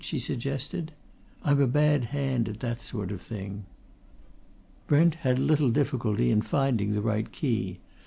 she suggested. "I'm a bad hand at that sort of thing." Brent had little difficulty in finding the right key.